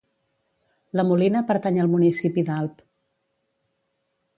La Molina pertany al municipi d'Alp.